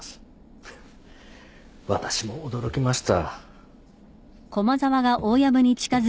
フッ私も驚きました。